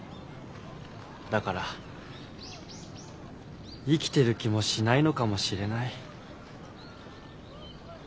だから生きてる気もしないのかもしれない。